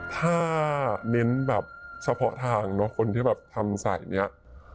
ถ้าเน้นแบบเฉพาะทางเนอะคนที่แบบทำสายนี้